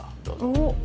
おっ！